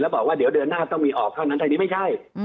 แล้วบอกว่าเดือนหน้าต้องมีออกเท่านั้นทางนี้ไม่ใช่